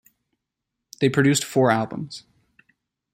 They produced four albums.